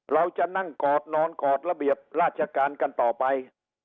เราจะนั่งกอดนอนกอดระเบียบราชการกันต่อไป